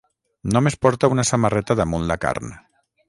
Només porta una samarreta damunt la carn.